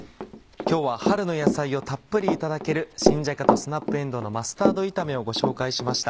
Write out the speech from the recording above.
今日は春の野菜をたっぷりいただける「新じゃがとスナップえんどうのマスタード炒め」をご紹介しました。